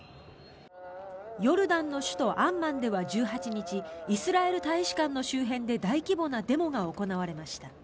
ヨルダンの首都アンマンでは１８日イスラエル大使館の周辺で大規模なデモが行われました。